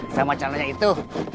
sama calonnya itu